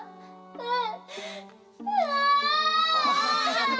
うん！